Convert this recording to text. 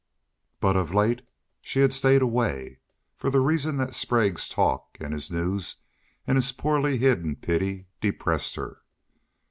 But of late she had stayed away, for the reason that Sprague's talk and his news and his poorly hidden pity depressed her.